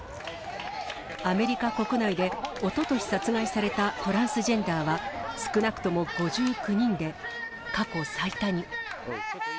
アメリカ国内でおととし殺害されたトランスジェンダーは、少なくとも５９人で、過去最多に。